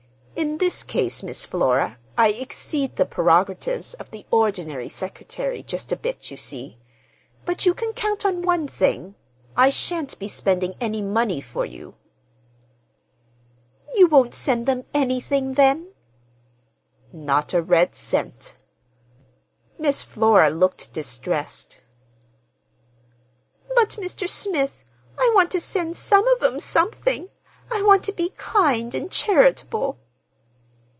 In this case, Miss Flora, I exceed the prerogatives of the ordinary secretary just a bit, you see. But you can count on one thing—I shan't be spending any money for you." "You won't send them anything, then?" "Not a red cent." Miss Flora looked distressed. "But, Mr. Smith, I want to send some of 'em something! I want to be kind and charitable."